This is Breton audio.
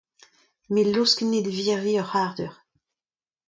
Me a laosk anezhe da virviñ ur c'hardeur.